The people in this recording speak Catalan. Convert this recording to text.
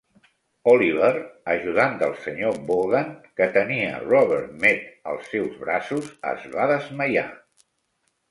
Oliver, ajudant del senyor Bogan, que tenia Rubbermaid als seus braços, es va desmaiar.